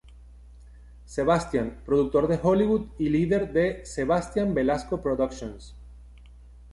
Sebastian, productor de Hollywood y líder de Sebastian-Belasco Productions.